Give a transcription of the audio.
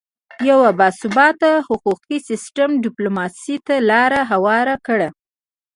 یو باثباته حقوقي سیستم ډیپلوماسي ته لاره هواره کړه